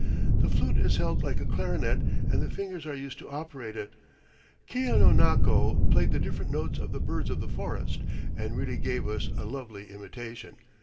The flute is held like a clarinet, and the fingers are used to operate it. Keanonako played the different notes of the birds of the forest, and really gave us a lovely imitation.